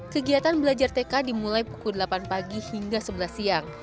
kegiatan belajar tk dimulai pukul delapan pagi hingga sebelas siang